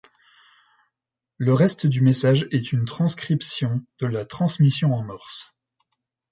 Le reste du message est une transcription de la transmission en morse.